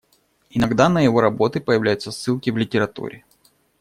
Иногда на его работы появляются ссылки в литературе.